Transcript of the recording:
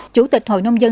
chủ tịch hội nông dân